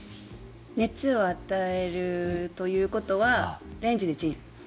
熱を与えるということはレンジでチン。